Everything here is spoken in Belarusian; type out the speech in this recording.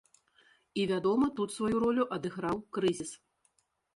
І, вядома, тут сваю ролю адыграў крызіс.